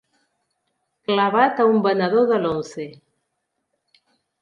Clavat a un venedor de l'Once.